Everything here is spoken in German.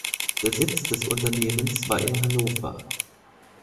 Der Sitz des Unternehmens war in Hannover.